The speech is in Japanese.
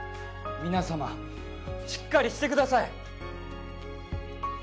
皆様しっかりしてください！